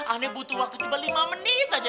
aneh butuh waktu cuma lima menit aja